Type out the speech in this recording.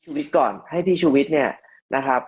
วิทย์ก่อนให้พี่ชุวิตเนี่ยนะครับ